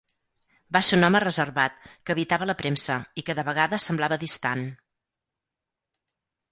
Va ser un home reservat, que evitava la premsa i que de vegades semblava distant.